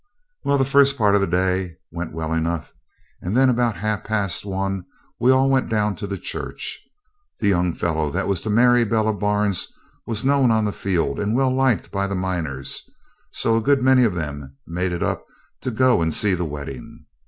Well, the first part of the day went well enough, and then about half past one we all went down to the church. The young fellow that was to marry Bella Barnes was known on the field and well liked by the miners, so a good many of them made it up to go and see the wedding.